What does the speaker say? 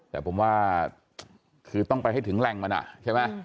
แต่ผมว่าคือต้องไปให้ถึงแหล่งมันใช่ไหม